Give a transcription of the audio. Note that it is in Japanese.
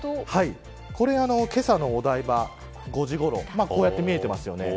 これは、けさのお台場５時ごろこうやって見えていますよね。